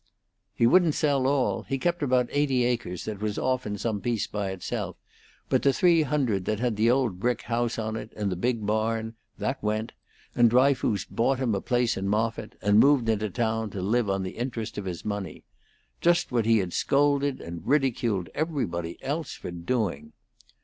"He wouldn't sell all. He kept about eighty acres that was off in some piece by itself, but the three hundred that had the old brick house on it, and the big barn that went, and Dryfoos bought him a place in Moffitt and moved into town to live on the interest of his money. Just what he had scolded and ridiculed everybody else for doing.